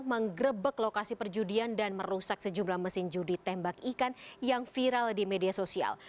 menggrebek lokasi perjudian dan merusak sejumlah mesin judi tembak ikan yang viral di media sosial